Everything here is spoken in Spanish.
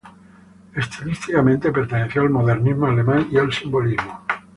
Estilísticamente perteneció al modernismo alemán y al simbolismo.